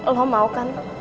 lo mau kan